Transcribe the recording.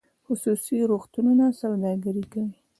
خصوصي روغتونونه سوداګري کوي